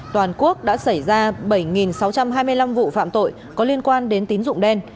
toàn quốc đã xảy ra bảy sáu trăm hai mươi năm vụ phạm tội có liên quan đến tín dụng đen